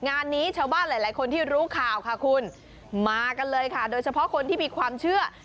งานนี้ชาวบ้านหลายคนที่รู้ข่าวค่ะคุณมากันเลยค่ะโดยเฉพาะคนที่มีความเชื่อ